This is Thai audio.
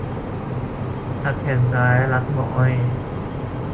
สักแขนซ้าย 'รักหมออ้อย'